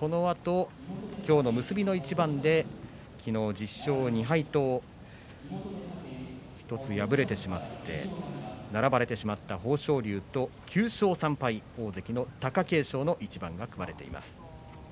このあと今日の結びの一番で昨日１０勝２敗と敗れてしまって並ばれてしまった豊昇龍と９勝３敗、大関の貴景勝の一番が組まれています。